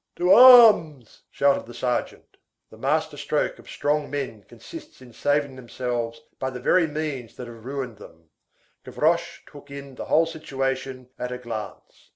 "To arms!" shouted the sergeant. The master stroke of strong men consists in saving themselves by the very means that have ruined them; Gavroche took in the whole situation at a glance.